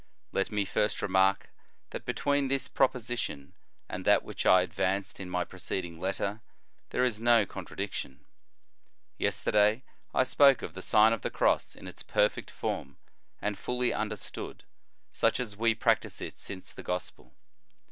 Let me first remark, that between this proposition and that which I advanced in my preceding letter, there is no contradiction. Yesterday I spoke of the Sign of the Cross in its perfect form and fully understood, such as we prac tise it since the Gospel.